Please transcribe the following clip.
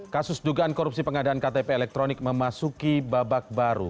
kasus dugaan korupsi pengadaan ktp elektronik memasuki babak baru